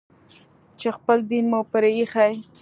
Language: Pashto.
چې خپل دين مو پرې ايښى.